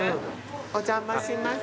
お邪魔します。